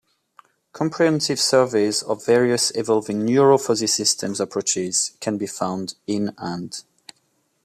Comprehensive surveys of various evolving neuro-fuzzy systems approaches can be found in and.